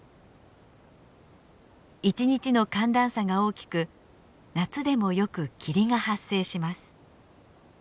一日の寒暖差が大きく夏でもよく霧が発生します。